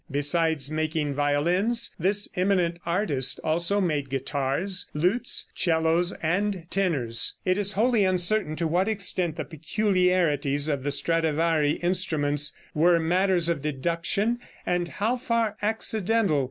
Besides making violins, this eminent artist also made guitars, lutes, 'cellos and tenors. It is wholly uncertain to what extent the peculiarities of the Stradivari instruments were matters of deduction and how far accidental.